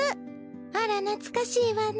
あらなつかしいわね。